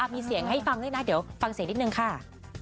มีเสียงให้ฟังด้วยนะเดี๋ยวฟังเสียงนิดนึงค่ะ